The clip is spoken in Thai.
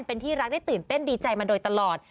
เป็นที่รักได้ตื่นเต้นดีใจมาโดยตลอด